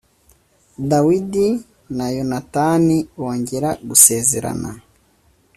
Dawidi na Yonatani bongera gusezerana